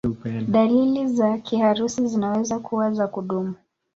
Dalili za kiharusi zinaweza kuwa za kudumu.